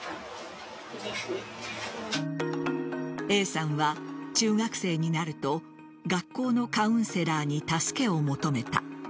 Ａさんは中学生になると学校のカウンセラーに助けを求めた。